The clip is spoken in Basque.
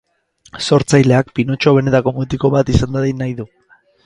Sortzaileak Pinotxo benetako mutiko bat izan dadin nahi du.